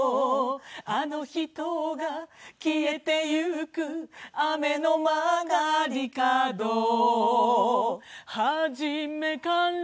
「あの人が消えてゆく雨の曲り角」「初めから」